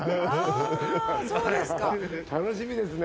楽しみですね。